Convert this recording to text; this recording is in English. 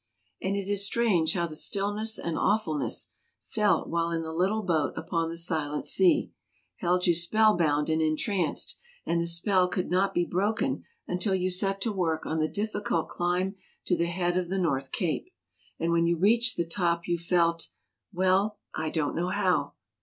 And it is strange how the stillness and awfulness, felt while in the little boat upon the silent sea, held you spell bound and entranced ; and the spell could not be broken until you set to work on the difficult climb to the head of the North Cape. And when you reached the top you felt — well, I don't know how.